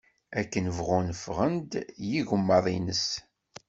Akken bɣun ffɣen-d yigemmaḍ-ines.